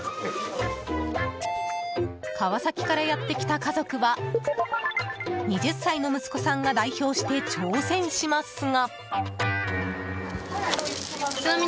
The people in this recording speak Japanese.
川崎からやってきた家族は２０歳の息子さんが代表して挑戦しますが。